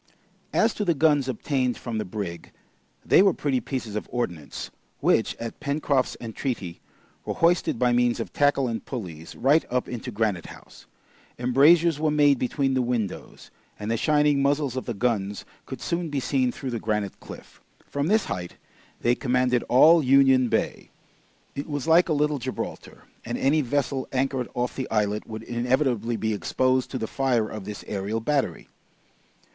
As to the guns obtained from the brig, they were pretty pieces of ordnance, which, at Pencroft's entreaty, were hoisted by means of tackle and pulleys, right up into Granite House; embrasures were made between the windows, and the shining muzzles of the guns could soon be seen through the granite cliff. From this height they commanded all Union Bay. It was like a little Gibraltar, and any vessel anchored off the islet would inevitably be exposed to the fire of this aerial battery.